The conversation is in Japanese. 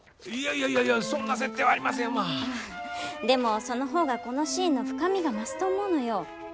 でもその方がこのシーンの深みが増すと思うのよ。